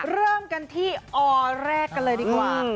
เริ่มกันที่ออแรกกันเลยดีกว่า